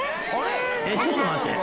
「えっちょっと待って」